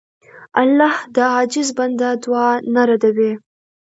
الله د عاجز بنده دعا نه ردوي.